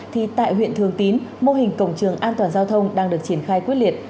thì tại huyện thường tín mô hình cổng trường an toàn giao thông đang được triển khai quyết liệt